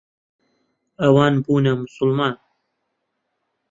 ئەوان بوونە موسڵمان.